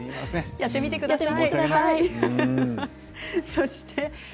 やってみてください。